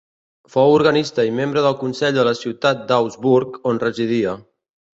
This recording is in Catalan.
Fou organista i membre del consell de la ciutat d'Augsburg, on residia.